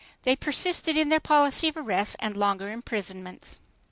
They persisted in their policy of arrests and longer imprisonments.